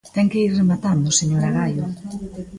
Ten que ir rematando, señora Gaio.